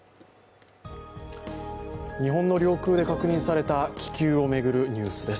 日本の領空で確認された気球を巡るニュースです。